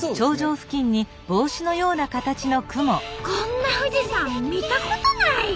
こんな富士山見たことない。